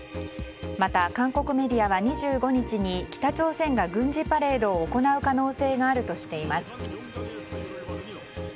また韓国メディアは２５日に、北朝鮮が軍事パレードを可能性があるとしています。